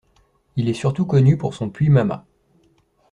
Il est surtout connu pour son puits Mama.